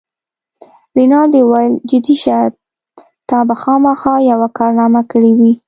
رینالډي وویل: جدي شه، تا به خامخا یوه کارنامه کړې وي.